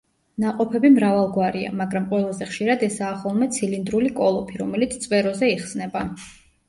ნაყოფები მრავალგვარია, მაგრამ ყველაზე ხშირად ესაა ხოლმე ცილინდრული კოლოფი, რომელიც წვეროზე იხსნება.